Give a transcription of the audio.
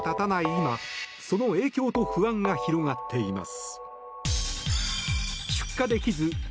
今その影響と不安が広がっています。